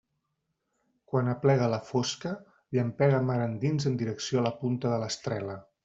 Quan aplega la fosca, llampega mar endins en direcció a la punta de l'Estrela.